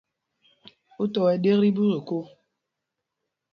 Ú tɔ wɛ́ ɗēk tí ɓīkōkō?